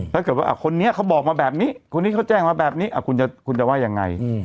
ถ้าเกิดว่าคนนี้เขาบอกมาแบบนี้คนนี้เขาแจ้งมาแบบนี้คุณจะว่ายังไง